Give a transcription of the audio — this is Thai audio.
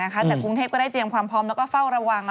แต่กรุงเทพก็ได้เตรียมความพร้อมแล้วก็เฝ้าระวัง